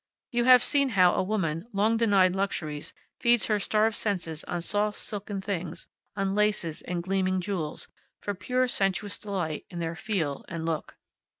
You have seen how a woman, long denied luxuries, feeds her starved senses on soft silken things, on laces and gleaming jewels, for pure sensuous delight in their feel and look.